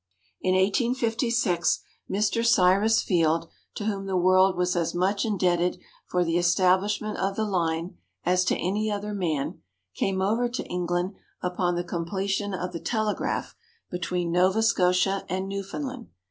In 1856, Mr. Cyrus Field to whom the world was as much indebted for the establishment of the line as to any man came over to England upon the completion of the telegraph between Nova Scotia and Newfoundland.